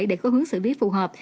để có hướng xử lý phù hợp